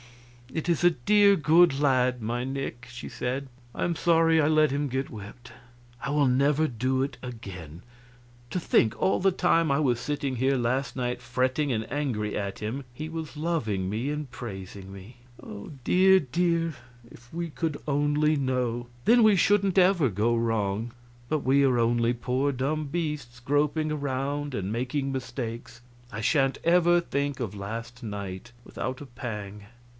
"It is a dear, good lad, my Nick," she said. "I am sorry I let him get whipped; I will never do it again. To think all the time I was sitting here last night, fretting and angry at him, he was loving me and praising me! Dear, dear, if we could only know! Then we shouldn't ever go wrong; but we are only poor, dumb beasts groping around and making mistakes. I shan't ever think of last night without a pang."